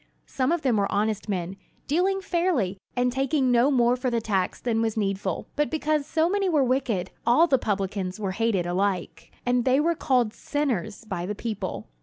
Some of them were honest men, dealing fairly, and taking no more for the tax than was needful; but because so many were wicked, all the publicans were hated alike; and they were called "sinners" by the people.